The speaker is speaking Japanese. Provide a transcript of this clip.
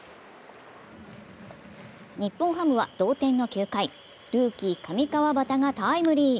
日本ハムは同点の９回、ルーキー・上川畑がタイムリー。